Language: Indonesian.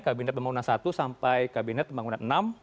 kabinet pembangunan satu sampai kabinet pembangunan enam